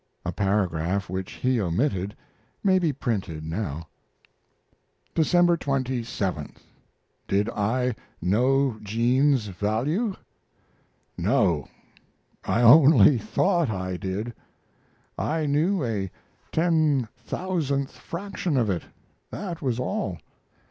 A paragraph which he omitted may be printed now: December 27. Did I know jean's value? No, I only thought I did. I knew a ten thousandth fraction of it, that was all.